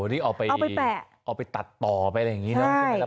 นี่เอาไปตัดต่อไปอะไรอย่างนี้เนาะ